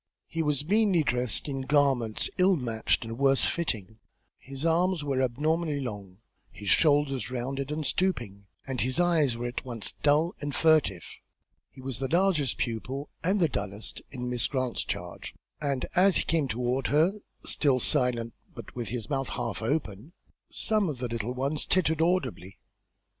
He was meanly dressed in garments ill matched and worse fitting; his arms were abnormally long, his shoulders rounded and stooping, and his eyes were at once dull and furtive. He was the largest pupil, and the dullest, in Miss Grant's charge, and as he came toward her, still silent, but with his mouth half open, some of the little ones tittered audibly.